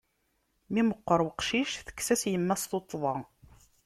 Mi meqqer uqcic, tekkes-as yemma-s tuṭṭḍa.